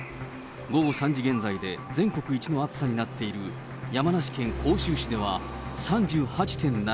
午後３時現在で全国一の暑さになっている、山梨県甲州市では３８．７度。